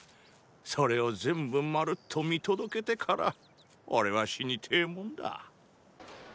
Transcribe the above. それを全部まるっと見届けてから俺は死にてェもンだ。